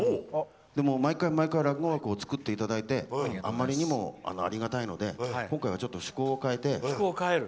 でも毎回毎回落語枠を作っていただいてあまりにもありがたいので今回はちょっと趣向を変えて。